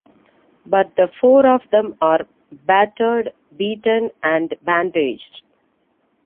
But the four of them are battered, beaten and bandaged.